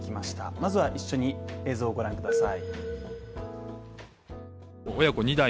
まずは一緒に映像を御覧ください。